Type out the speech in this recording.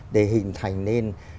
để hình thành nên